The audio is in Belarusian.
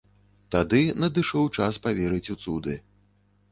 Тады надышоў час паверыць у цуды.